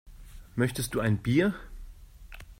Möchtest du ein Bier?